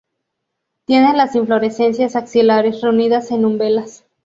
Tiene las inflorescencias axilares, reunidas en umbelas.